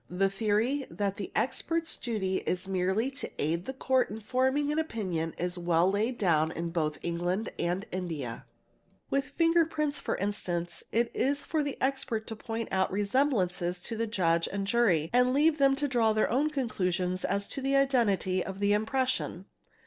The theory oh the expert's duty is merely to aid the Court in forming an opinic¢ is well laid down both in England and India. With fngerpriniilll instance it is for the expert to point out resemblances to the Judge an jury and leave them to draw their own conclusions as to identity ¢ impression.